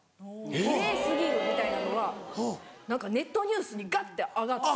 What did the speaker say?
「奇麗過ぎる」みたいなのが何かネットニュースにガッて上がって。